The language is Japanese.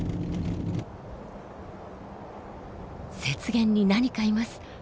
雪原に何かいます。